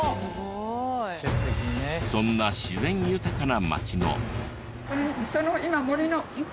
そんな自然豊かな町の。